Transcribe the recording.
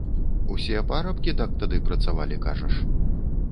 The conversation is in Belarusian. Усе парабкі так тады працавалі, кажаш?